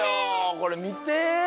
これみて！